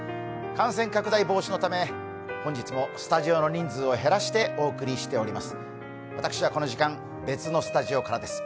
感染拡大防止のため本日もスタジオの人数を減らしてお送りしております。